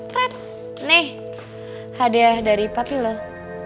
rat nih hadiah dari pati loh